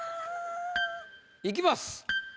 いきます。